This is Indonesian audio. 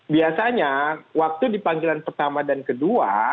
biasanya waktu dipanggilan pertama dan kedua